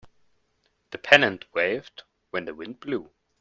The pennant waved when the wind blew.